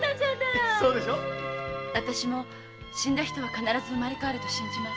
あたしも死んだ人は必ず生まれ変わると信じます。